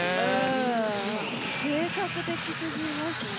正確的すぎますね。